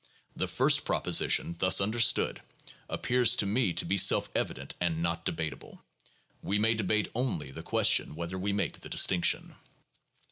The first proposition, thus understood, appears to me to be self evident and not debatable. We may debate only the question whether we make the distinction.